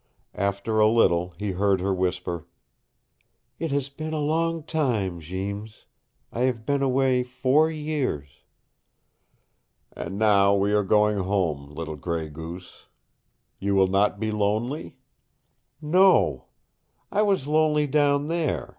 After a little he heard her whisper, "It has been a long time, Jeems. I have been away four years." "And now we are going home, little Gray Goose. You will not be lonely?" "No. I was lonely down there.